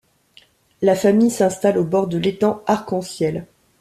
La famille s'installe au bord de l'étang arc-en-ciel.